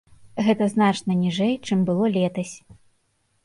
Гэта значна ніжэй, чым было летась.